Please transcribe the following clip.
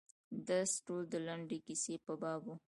درس ټول د لنډې کیسې په باب و.